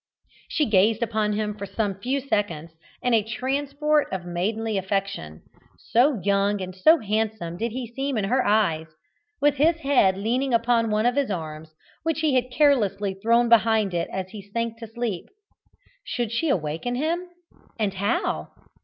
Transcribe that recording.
She gazed upon him for some few seconds in a transport of maidenly affection so young and so handsome did he seem in her eyes, with his head leaning upon one of his arms which he had carelessly thrown behind it as he sank to sleep. Should she awaken him? and how?